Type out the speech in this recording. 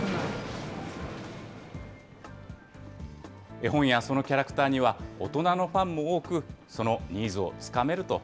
絵本やそのキャラクターには大人のファンも多く、そのニーズ